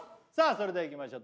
それではいきましょう